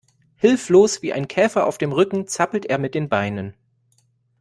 Hilflos wie ein Käfer auf dem Rücken zappelt er mit den Beinen.